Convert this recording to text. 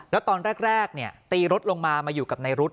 แล้วตอนแรกตีรถลงมามาอยู่กับในรุ๊ด